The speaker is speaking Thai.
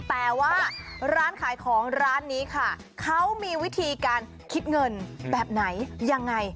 แต่ว่าร้านขายของร้านนี้ค่ะเขามีวิธีการคิดเงินแบบไหนยังไง